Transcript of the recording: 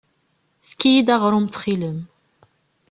Efk-iyi-d aɣrum ttxil-m.